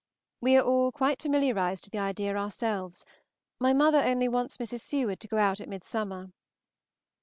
We are all quite familiarized to the idea ourselves; my mother only wants Mrs. Seward to go out at midsummer.